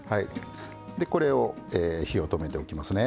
これを火を止めておきますね。